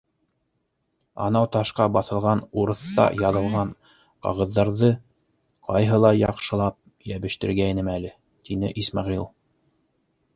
Анау ташҡа баҫылған урыҫса яҙылған ҡағыҙҙарҙы ҡайһылай яҡшылап йәбештергәйнем әле, — тине Исмәғил.